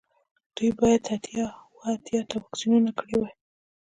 دوی باید اتیا اوه اتیا ته واکسینونه کړي وای